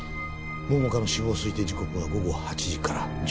桃花の死亡推定時刻は午後８時から１０時の間。